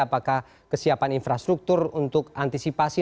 apakah kesiapan infrastruktur untuk antisipasi